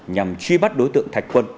nhằm truy bắt đối tượng thạch quân